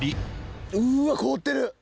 うわっ凍ってる！